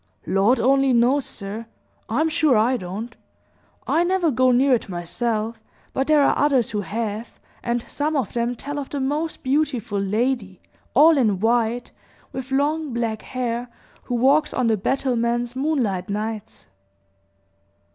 "Lord only knows, sir. I'm sure I don't. I never go near it myself; but there are others who have, and some of them tell of the most beautiful lady, all in white, with long, black hair, who walks on the battlements moonlight nights."